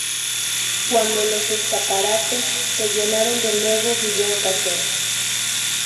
cuando los escaparates se llenaron del nuevo video casero